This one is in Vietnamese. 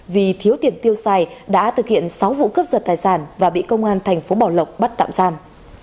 vì thiếu tiền tiêu xài đã thực hiện sáu vụ cướp giật tài sản và bị công an thành phố bảo lộc bắt tạm giam